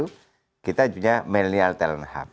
mereka melihat melnyel telang hab